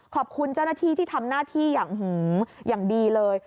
ขอบคุณเจ้าหน้าที่ที่ทำหน้าที่อย่างดีเลย